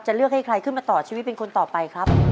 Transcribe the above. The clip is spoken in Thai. เลือกให้ใครขึ้นมาต่อชีวิตเป็นคนต่อไปครับ